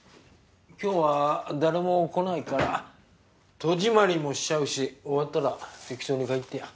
今日は誰も来ないから戸締まりもしちゃうし終わったら適当に帰ってよ。